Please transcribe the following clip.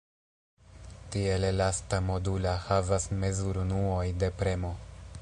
Tiel elasta modula havas mezurunuoj de premo.